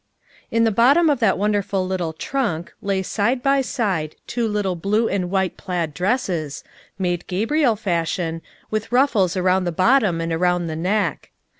TN the bottom of that wonderful little trunk * lay side by side two little blue and white plaid dresses, made gabrielle fashion, with ruf fles around the bottom and around the neck.